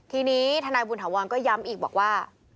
ทีนี้ทนายบุญถาวรก็ย้ำอีกบอกว่า